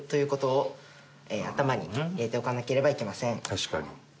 確かに。